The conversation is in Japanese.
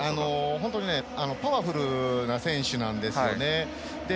本当にパワフルな選手なんですよね。